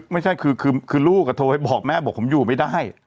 ไม่คือลูกก็โทรให้บอกแม่บอกผมอยู่ไม่ได้